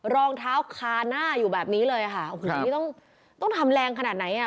รองเท้าคาหน้าอยู่แบบนี้เลยค่ะโอ้โหทีนี้ต้องต้องทำแรงขนาดไหนอ่ะ